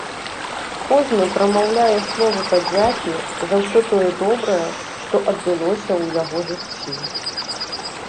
Кожны прамаўляе словы падзякі за ўсё тое добрае, што адбылося ў яго жыцці.